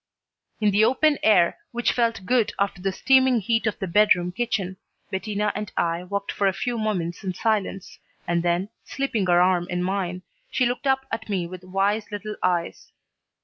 In the open air, which felt good after the steaming heat of the bedroom kitchen, Bettina and I walked for a few moments in silence, and then, slipping her arm in mine, she looked up at me with wise little eyes.